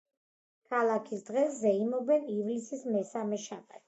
ქალაქის დრეს ზეიმობენ ივლისის მესამე შაბათს.